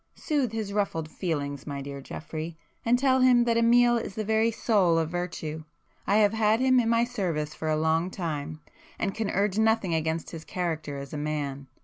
Soothe his ruffled feelings, my dear Geoffrey, and tell him that Amiel is the very soul [p 126] of virtue! I have had him in my service for a long time, and can urge nothing against his character as a man.